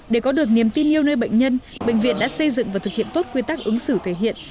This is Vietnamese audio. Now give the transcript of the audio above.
để có được niềm tin yêu nơi bệnh nhân bệnh viện đã xây dựng và thực hiện tốt quy tắc ứng xử thể hiện